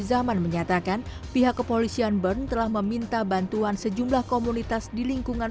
zaman menyatakan pihak kepolisian bern telah meminta bantuan sejumlah komunitas di lingkungan